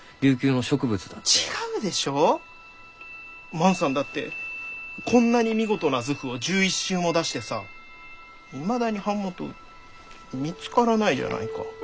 万さんだってこんなに見事な図譜を１１集も出してさいまだに版元見つからないじゃないか。